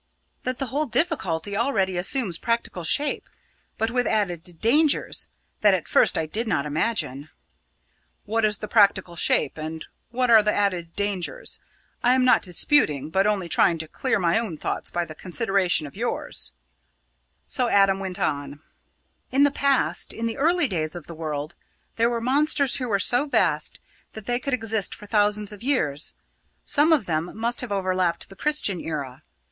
"That the whole difficulty already assumes practical shape; but with added dangers, that at first I did not imagine." "What is the practical shape, and what are the added dangers? I am not disputing, but only trying to clear my own ideas by the consideration of yours " So Adam went on: "In the past, in the early days of the world, there were monsters who were so vast that they could exist for thousands of years. Some of them must have overlapped the Christian era.